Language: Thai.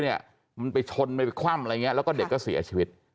มันไปชนไปคว่ำฮะแล้วนี้เด็กก็เสียชีวิต